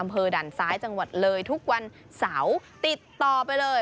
อำเภอด่านซ้ายจังหวัดเลยทุกวันเสาร์ติดต่อไปเลย